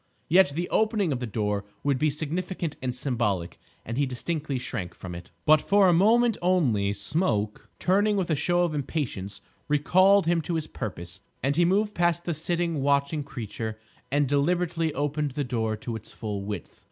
Yet the opening of the door would be significant and symbolic, and he distinctly shrank from it. But for a moment only. Smoke, turning with a show of impatience, recalled him to his purpose, and he moved past the sitting, watching creature, and deliberately opened the door to its full width.